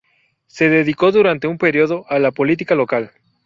Se dedicó durante un período a la política local.